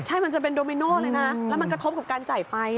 ใช่มันจะเป็นโดมิโน่เลยนะแล้วมันกระทบกับการจ่ายไฟ